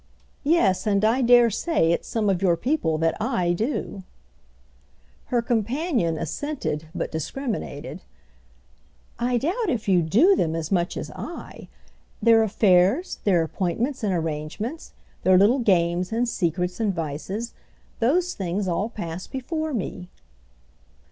"Yes, and I dare say it's some of your people that I do." Her companion assented, but discriminated. "I doubt if you 'do' them as much as I! Their affairs, their appointments and arrangements, their little games and secrets and vices—those things all pass before me."